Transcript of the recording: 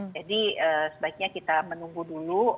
jadi sebaiknya kita menunggu dulu